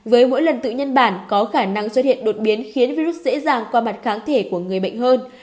với mỗi lần tự nhân bản có khả năng xuất hiện đột biến khiến virus dễ dàng qua mặt kháng thể của người bệnh hơn